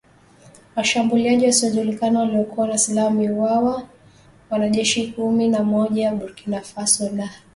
Washambuliaji wasiojulikana waliokuwa na silaha wamewaua wanajeshi kumi na moja wa Burkina Faso na kuwajeruhi wengine wanane.